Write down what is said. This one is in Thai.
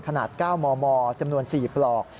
ขนาด๙มมจำนวน๔ปลอก